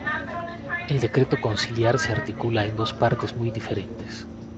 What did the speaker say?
El decreto conciliar se articula en dos partes muy diferentes.